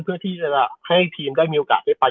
เพื่อที่จะแบบให้ทีมได้มิโอกาสไป